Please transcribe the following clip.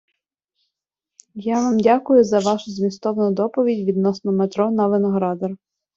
Я вам дякую за вашу змістовну доповідь відносно метро на Виноградар.